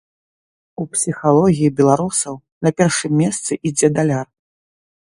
У псіхалогіі беларусаў на першым месцы ідзе даляр.